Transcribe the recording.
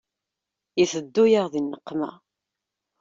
Iteddu-yaɣ di nneqma.